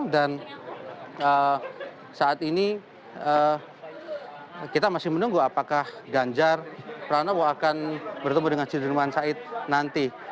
dan saat ini kita masih menunggu apakah ganjar pranowo akan bertemu dengan sudirman said nanti